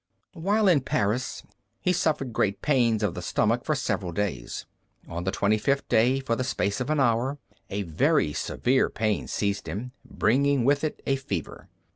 While in Paris he suffered great pains of the stomach for several days. On the twenty fifth day, for the space of an hour, a very severe pain seized him, bringing with it a fever.